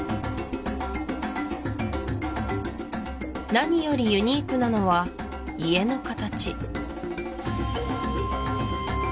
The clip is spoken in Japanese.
何よりユニークなのは家の形